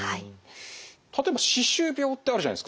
例えば歯周病ってあるじゃないですか。